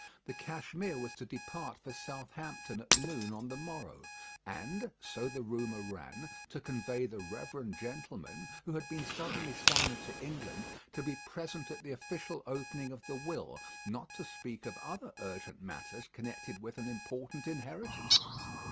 The Cashmere was to depart for Southampton at noon on the morrow, and, so the rumour ran, to convey the reverend gentleman, who had been suddenly summoned to England, to be present at the official opening of the will, not to speak of other urgent matters connected with an important inheritance.